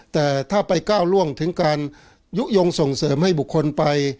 แต่ถ้าไปก้าวล่วงถึงการยุโยงส่งเสริมให้บุคคลไป